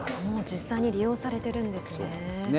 実際に利用されてるんですね。